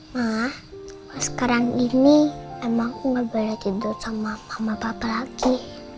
ma sekarang ini emang aku gak boleh tidur sama mama papa lagi